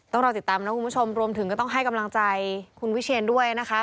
ต้องรอติดตามนะคุณผู้ชมรวมถึงก็ต้องให้กำลังใจคุณวิเชียนด้วยนะคะ